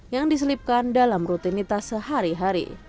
yang diselipkan dalam rutinitas sehari hari